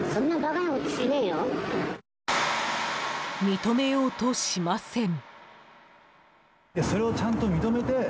認めようとしません。